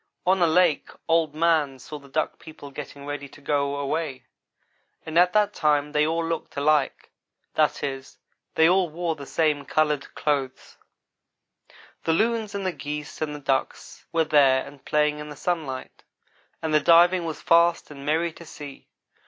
On a lake Old man saw the Duck people getting ready to go away, and at that time they all looked alike; that is, they all wore the same colored clothes. The loons and the geese and the ducks were there and playing in the sunlight. The loons were laughing loudly and the diving was fast and merry to see.